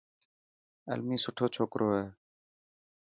علمي سٺو چوڪرو آهي.